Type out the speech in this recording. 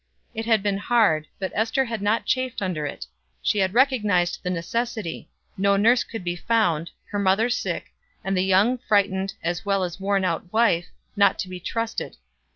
It had been hard, but Ester had not chafed under it; she had recognized the necessity no nurse to be found, her mother sick, and the young, frightened, as well as worn out wife, not to be trusted.